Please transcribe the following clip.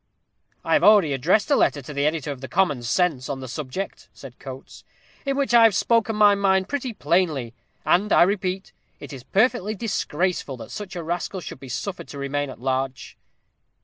"I have already addressed a letter to the editor of the Common Sense on the subject," said Coates, "in which I have spoken my mind pretty plainly: and I repeat, it is perfectly disgraceful that such a rascal should be suffered to remain at large."